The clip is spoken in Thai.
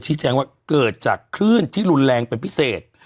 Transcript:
แจ้งว่าเกิดจากคลื่นที่รุนแรงเป็นพิเศษ